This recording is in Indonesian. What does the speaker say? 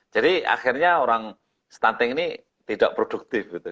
jadi akhirnya orang stunting ini tidak produktif gitu